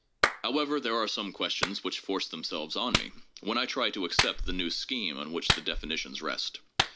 However, there are some questions which force themselves on me when I try to accept the new scheme on which the definitions rest.